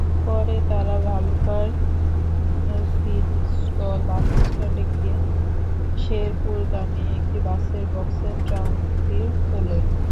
পরে তারা ভালুকার সিডস্টোর বাসস্ট্যান্ডে গিয়ে শেরপুরগামী একটি বাসের বক্সে ট্রাংকটি তোলে।